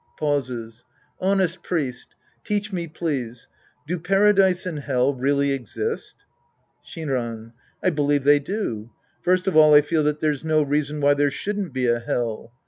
{Pauses^ Honest priest. Teach me, please ; do Paradise and Hell really exist ? Shinran. I believe they do. First of all I feel that there's no reason why there shouldn't be a Hell.